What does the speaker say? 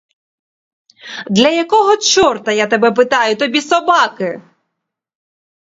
Для якого чорта, я тебе питаю, тобі собаки?